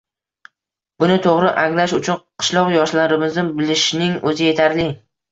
Buni to‘g‘ri anglash uchun qishloq yoshlarimizni bilishning o‘zi yetarli.